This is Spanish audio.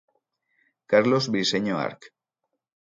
Carlos Briseño Arch.